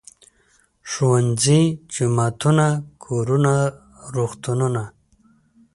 ښوونځي، جوماتونه، کورونه، روغتونونه.